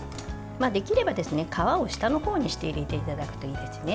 できれば皮を下のほうにして入れていただくといいですね。